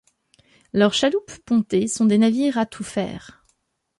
Leurs chaloupes pontées sont des navires à tout faire.